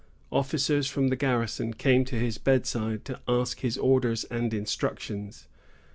Officers from the garrison came to his bedside to ask his orders and instructions.